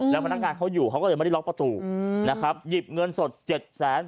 แล้วพนักงานเขาอยู่เขาก็เลยไม่ได้ล็อกประตูนะครับหยิบเงินสดเจ็ดแสน